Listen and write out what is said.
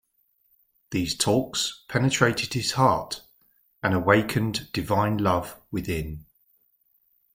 These talks penetrated his heart and awakened divine love within.